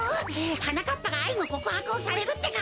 はなかっぱがあいのこくはくをされるってか？